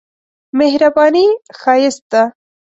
مهرباني ښايست ده.